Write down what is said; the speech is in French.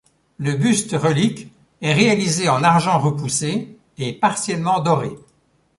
Le buste-relique est réalisé en argent repoussé et partiellement doré.